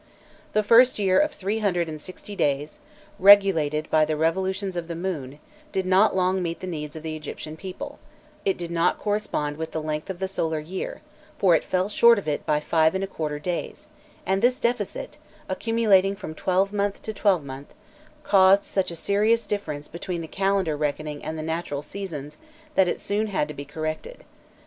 The first year of three hundred and sixty days, regulated by the revolutions of the moon, did not long meet the needs of the Egyptian people; it did not correspond with the length of the solar year, for it fell short of it by five and a quarter days, and this deficit, accumulating from twelvemonth to twelvemonth, caused such a serious difference between the calendar reckoning and the natural seasons, that it soon had to be corrected.